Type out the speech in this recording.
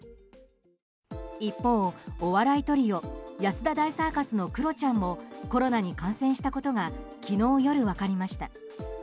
一方、お笑いトリオ安田大サーカスのクロちゃんもコロナに感染したことが昨日夜、分かりました。